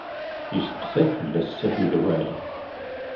Yesteqsay fell-as Si Ḥmed Waɛli.